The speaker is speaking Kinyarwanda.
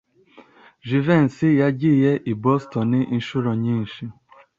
Jivency yagiye i Boston inshuro nyinshi.